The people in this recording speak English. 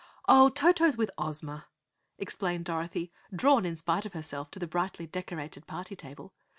"Oh, Toto's with Ozma," explained Dorothy, drawn in spite of herself to the brightly decorated party table.